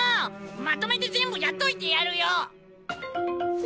まとめて全部やっといてやるよ！